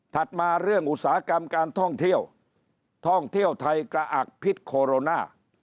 มาเรื่องอุตสาหกรรมการท่องเที่ยวท่องเที่ยวไทยกระอักพิษโคโรนา